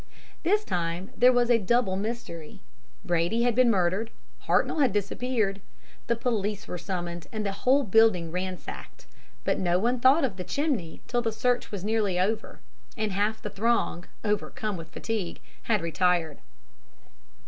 "This time there was a double mystery. Brady had been murdered Hartnoll had disappeared. The police were summoned and the whole building ransacked; but no one thought of the chimney till the search was nearly over, and half the throng overcome with fatigue had retired.